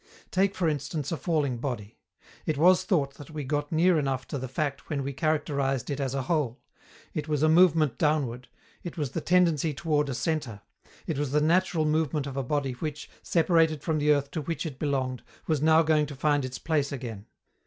Take, for instance, a falling body. It was thought that we got near enough to the fact when we characterized it as a whole: it was a movement downward; it was the tendency toward a centre; it was the natural movement of a body which, separated from the earth to which it belonged, was now going to find its place again.